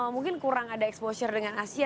mungkin kurang ada exposure dengan asia